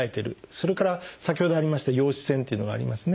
それから先ほどありました陽子線というのがありますね。